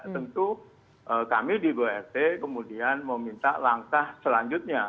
tentu kami di bort kemudian meminta langkah selanjutnya